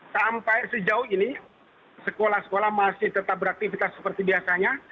sampai sejauh ini sekolah sekolah masih tetap beraktivitas seperti biasanya